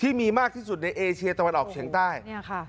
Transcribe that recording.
ที่มีมากที่สุดในเอเชียตะวันออกเฉียงใต้เนี่ยค่ะ